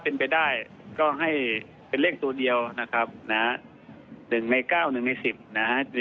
เป็นไปได้ก็ให้เป็นเลขตัวเดียวนะครับนะฮะหนึ่งในเก้าหนึ่งในสิบนะฮะ